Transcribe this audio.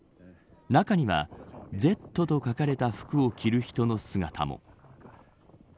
中には、Ｚと書かれた服を着る人たちの姿も。